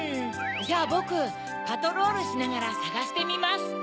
じゃあぼくパトロールしながらさがしてみます。